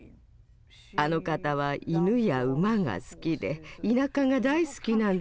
あの方は犬や馬が好きで田舎が大好きなんです。